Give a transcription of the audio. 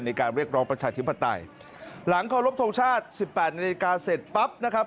ในการเรียกร้องประชาชิมปฏิหลังขอรบโทษฌาติ๑๘นาฬิกาเสร็จปั๊บนะครับ